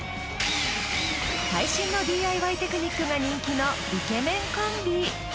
最新のＤＩＹテクニックが人気のイケメンコンビ。